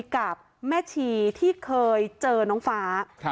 แต่ในคลิปนี้มันก็ยังไม่ชัดนะว่ามีคนอื่นนอกจากเจ๊กั้งกับน้องฟ้าหรือเปล่าเนอะ